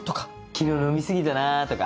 昨日飲み過ぎたなぁとか。